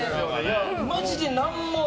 マジで何も。